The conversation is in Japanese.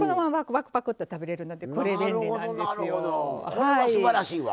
これはすばらしいわ。